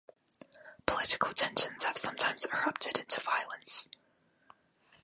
Political tensions have sometimes erupted into violence.